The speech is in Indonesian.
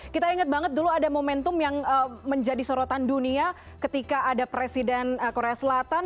kita ingat banget dulu ada momentum yang menjadi sorotan dunia ketika ada presiden korea selatan